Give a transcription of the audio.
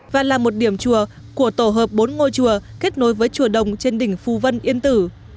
và là một điểm chùa của tổ hợp bốn ngôi chùa kết nối với chùa đồng trên đỉnh phù vân yên tử